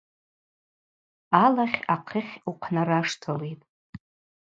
Алахь ахъыхь ухънараштылитӏ.